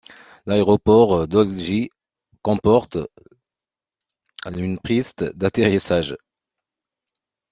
L'aéroport d'Ölgii comporte une piste d'atterrissage.